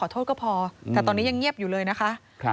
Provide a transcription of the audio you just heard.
โทษก็พอแต่ตอนนี้ยังเงียบอยู่เลยนะคะ